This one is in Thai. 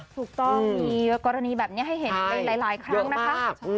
ถูกต้องมีกรณีแบบนี้ให้เห็นในหลายครั้งนะคะ